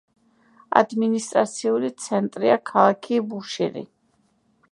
ადმინისტრაციული ცენტრია ქალაქი ბუშირი.